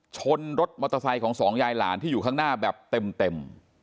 ชนรถมอเตอร์ไซค์ของสองยายหลานที่อยู่ข้างหน้าแบบเต็ม